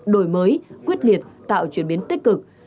đổi mới quyết liệt tạo chuyển biến tích cực